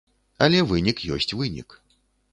Але вынік ёсць вынік.